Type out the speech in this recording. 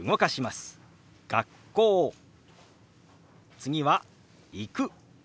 次は「行く」。